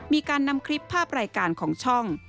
มีการนำคลิปภาพรายการของช่อง